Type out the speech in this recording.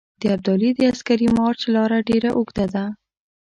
د ابدالي د عسکري مارچ لاره ډېره اوږده ده.